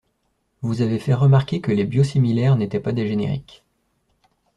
Vous avez fait remarquer que les biosimilaires n’étaient pas des génériques.